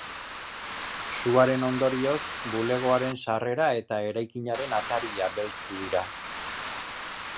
Suaren ondorioz, bulegoaren sarrera eta eraikinaren ataria belztu dira.